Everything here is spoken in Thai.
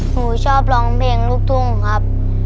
หนูชอบร้องเพลงลูกทุ่งครับ